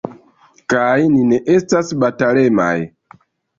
Kaj ni ne estas batalemaj.